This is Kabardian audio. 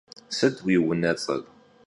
Sıt vui vunets'er?